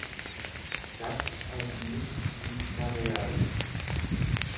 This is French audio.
quatre avenue du Pareage